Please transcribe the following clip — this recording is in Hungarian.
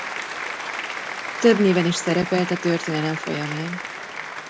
Több néven is szerepelt a történelem folyamán.